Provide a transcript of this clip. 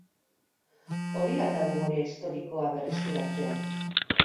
Hori al da memoria historikoa berreskuratzea?